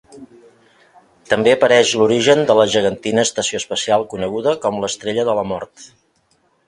També apareix l'origen de la gegantina estació espacial coneguda com l'Estrella de la Mort.